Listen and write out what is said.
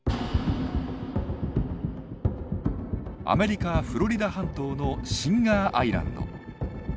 アメリカ・フロリダ半島のシンガーアイランド。